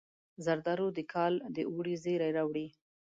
زردالو د کال د اوړي زیری راوړي.